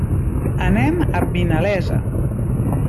Anem a Vinalesa.